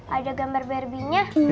ada gambar berbinya